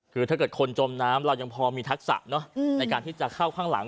คือถ้าเกิดคนจมน้ำเรายังพอมีทักษะในการที่จะเข้าข้างหลัง